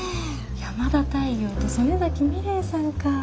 山田太陽と曽根崎ミレイさんか。